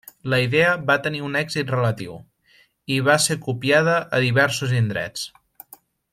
La idea va tenir un èxit relatiu i va ser copiada a diversos indrets.